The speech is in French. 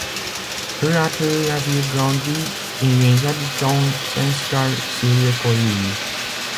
Peu à peu la ville grandit, et les habitants s'installent sur les collines.